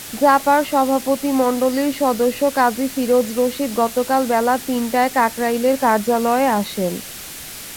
জাপার সভাপতিমণ্ডলীর সদস্য কাজী ফিরোজ রশীদ গতকাল বেলা তিনটায় কাকরাইলের কার্যালয়ে আসেন।